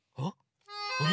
あれ？